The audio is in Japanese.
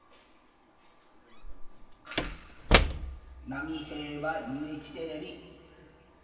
波平はＵＨテレビ。